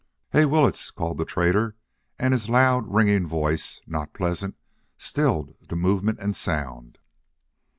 "Hey, Willetts!" called the trader, and his loud, ringing voice, not pleasant, stilled the movement and sound.